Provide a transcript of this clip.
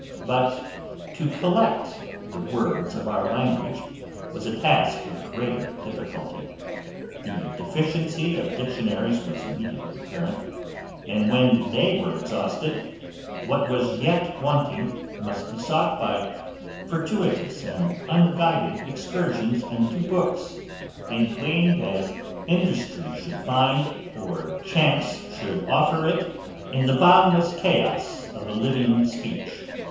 But to COLLECT the WORDS of our language was a task of greater difficulty: the deficiency of dictionaries was immediately apparent; and when they were exhausted, what was yet wanting must be sought by fortuitous and unguided excursions into books, and gleaned as industry should find, or chance should offer it, in the boundless chaos of a living speech.